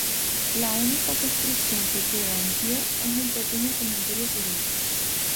La única construcción que queda en pie es un pequeño cementerio civil.